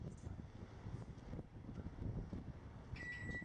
Komise pak během obhajoby hodnotí práci na tomto základě.